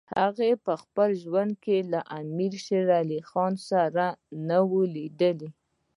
هغه په ژوند کې له امیر شېر علي خان سره نه وو لیدلي.